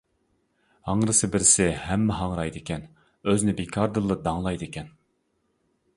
ھاڭرىسا بىرسى ھەممە ھاڭرايدىكەن، ئۆزىنى بىكاردىنلا داڭلايدىكەن!